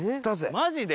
マジで？